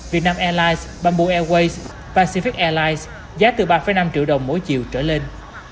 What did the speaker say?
vietnam airlines bamboo airways pacific airlines giá từ ba năm triệu đồng mỗi chiều trở lên